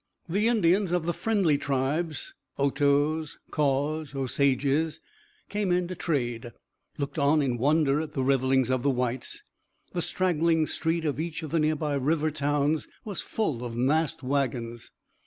The Indians of the friendly tribes Otos, Kaws, Osages come in to trade, looked on in wonder at the revelings of the whites. The straggling street of each of the near by river towns was full of massed wagons.